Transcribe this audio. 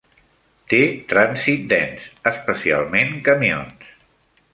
Té trànsit dens, especialment camions.